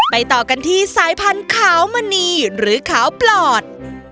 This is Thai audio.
ต่อกันที่สายพันธุ์ขาวมณีหรือขาวปลอด